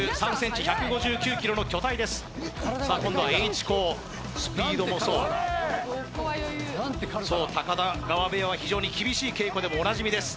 １９３ｃｍ１５９ｋｇの巨体ですさあ今度はＨ鋼スピードもそうそう高田川部屋は非常に厳しい稽古でもおなじみです